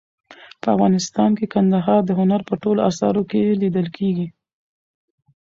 په افغانستان کې کندهار د هنر په ټولو اثارو کې لیدل کېږي.